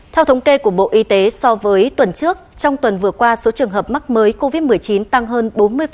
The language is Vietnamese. theo thống kê của bộ y tế so với tuần trước trong tuần vừa qua số trường hợp mắc mới covid một mươi chín tăng hơn bốn mươi